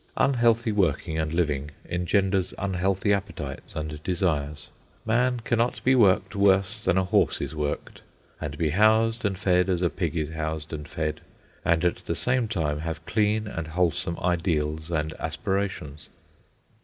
Unhealthy working and living engenders unhealthy appetites and desires. Man cannot be worked worse than a horse is worked, and be housed and fed as a pig is housed and fed, and at the same time have clean and wholesome ideals and aspirations.